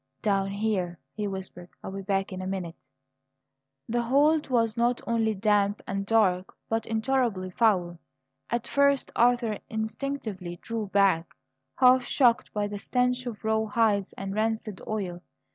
"Down here!" he whispered. "I'll be back in a minute." The hold was not only damp and dark, but intolerably foul. At first Arthur instinctively drew back, half choked by the stench of raw hides and rancid oil.